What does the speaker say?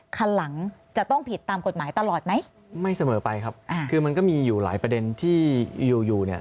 คันหลังจะต้องผิดตามกฎหมายตลอดไหมไม่เสมอไปครับอ่าคือมันก็มีอยู่หลายประเด็นที่อยู่อยู่เนี่ย